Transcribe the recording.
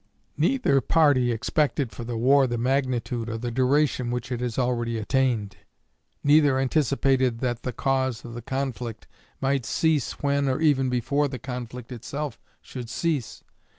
Neither party expected for the war the magnitude or the duration which it has already attained. Neither anticipated that the cause of the conflict might cease when, or even before the conflict itself should cease.